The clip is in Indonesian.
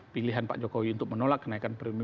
pilihan pak jokowi untuk menolak kenaikan